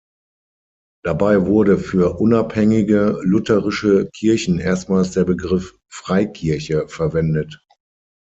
Dabei wurde für unabhängige lutherische Kirchen erstmals der Begriff „Freikirche“ verwendet.